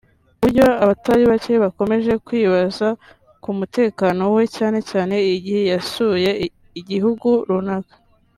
ku buryo abatari bake bakomeje kwibaza ku mutekano we cyane cyane igihe yasuye igihugu runaka